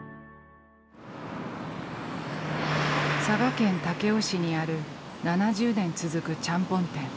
佐賀県武雄市にある７０年続くちゃんぽん店。